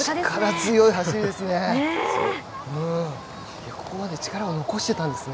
力強い走りですね。